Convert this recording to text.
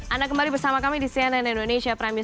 anda kembali bersama kami di cnn indonesia prime news